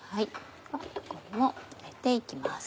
これも入れて行きます。